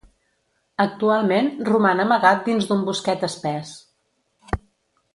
Actualment roman amagat dins d'un bosquet espès.